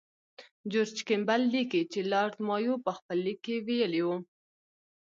جورج کیمبل لیکي چې لارډ مایو په خپل لیک کې ویلي وو.